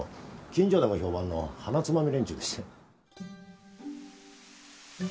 近所でも評判の鼻つまみ連中でして。